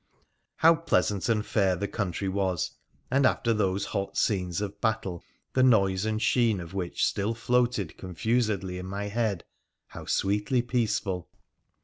How pleasant and fair the country was, and after those hot scenes of battle, the noise and sheen of which still floated confusedly in my head, how sweetly peaceful!